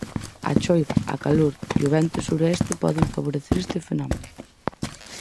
A choiva, a calor e o vento suroeste poden favorecer este fenómeno.